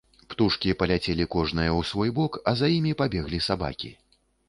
Птушкі паляцелі кожная ў свой бок, а за імі пабеглі сабакі.